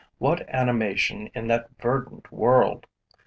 What animation in that verdant world!